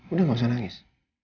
udah gak usah nangis